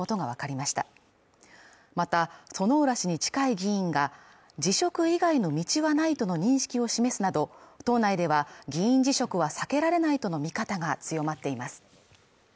また薗浦氏に近い議員が辞職以外の道はないとの認識を示すなど党内では議員辞職は避けられないとの見方が強まっています